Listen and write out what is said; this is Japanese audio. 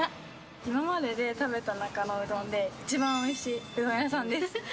今までで食べた中のうどんで、一番おいしいうどん屋さんです。